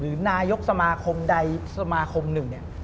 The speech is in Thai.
หรือนายกสมาคมใดสมาคมหนึ่ง